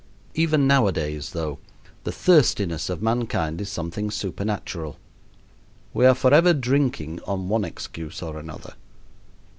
Even nowadays, though, the thirstiness of mankind is something supernatural. We are forever drinking on one excuse or another.